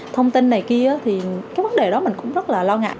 thì cái vấn đề đó mình cũng rất là lo ngại